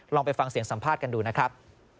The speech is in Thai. ลองไปฟังเสียงสัมภาษณ์กันดูนะครับ